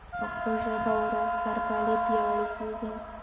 پښتو ژبه ورځ تر بلې پیاوړې کېږي.